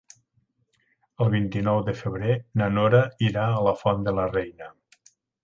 El vint-i-nou de febrer na Nora irà a la Font de la Reina.